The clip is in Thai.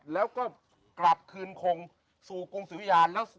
แล้วก็กลับคืนคงสู่กรุงศิวิญญาณ